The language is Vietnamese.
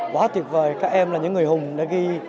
quá tuyệt vời các em là những người hùng đã ghi